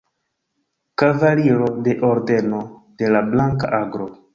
Kavaliro de Ordeno de la Blanka Aglo.